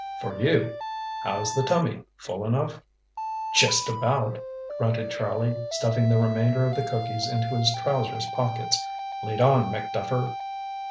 "For you! How's the tummy, full enough?" "Just about," grunted Charlie, stuffing the remainder of the cookies into his trousers pockets. "Lead on, MacDuffer!"